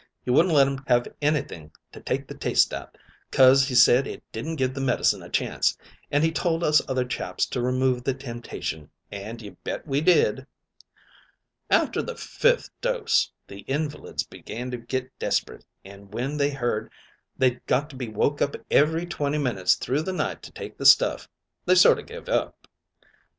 He wouldn't let 'em have anything to take the taste out, 'cos he said it didn't give the medicine a chance, an' he told us other chaps to remove the temptation, an' you bet we did. "After the fifth dose, the invalids began to get desperate, an' when they heard they'd got to be woke up every twenty minutes through the night to take the stuff, they sort o' give up.